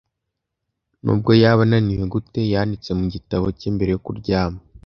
Nubwo yaba ananiwe gute, yanditse mu gitabo cye mbere yo kuryama.